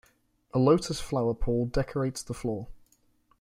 A lotus-flower pool decorates the floor.